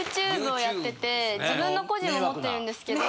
ＹｏｕＴｕｂｅをやってて自分の個人も持ってるんですけど。